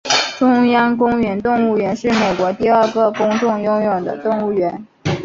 中央公园动物园是美国第二个公众拥有的动物园。